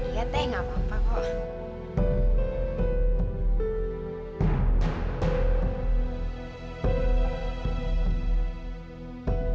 ya teh gak apa apa kok